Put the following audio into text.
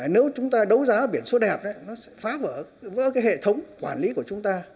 nếu chúng ta đấu giá biển số đẹp nó sẽ phá vỡ cái hệ thống quản lý của chúng ta